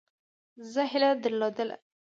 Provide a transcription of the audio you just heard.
زه هیله درلوده.